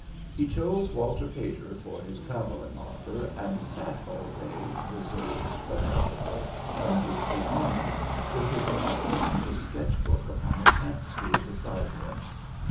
He chose Walter Pater for his travelling author, and sat all day, reserved but affable, under the awning, with his novel and his sketch book upon a campstool beside him.